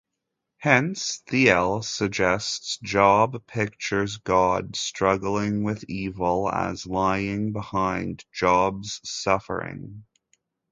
Hence, Thiele suggests, Job pictures God struggling with Evil as lying behind Job's suffering.